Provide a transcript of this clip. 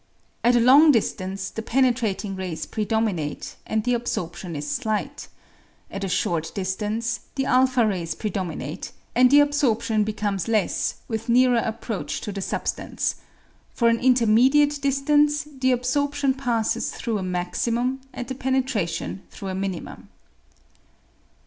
At a long distance the penetrating rays predominate, and the absorption is slight ; at a short distance the o rays predominate, and the absorption be comes less with nearer approach to the substance ; for an intermediate distance the absorption passes through a maximum and the penetration through a minimum.